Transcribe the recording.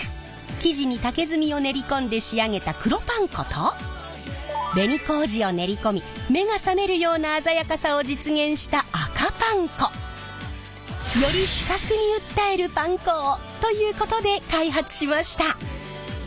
生地に竹炭を練り込んで仕上げた黒パン粉と紅麹を練り込み目が覚めるような鮮やかさを実現した赤パン粉！ということで開発しました。